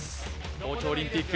東京オリンピック